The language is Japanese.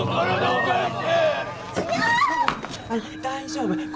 大丈夫。